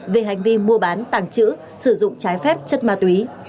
về hành vi mua bán tàng trữ sử dụng trái phép chất ma túy